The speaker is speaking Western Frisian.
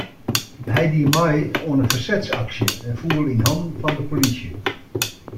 Hy die mei oan in fersetsaksje en foel yn hannen fan de polysje.